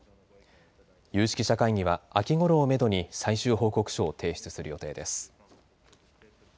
有識者会議は秋ごろをめどに最終報告書を提出する予定です。